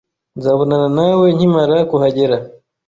Nzabonana nawe nkimara kuhagera.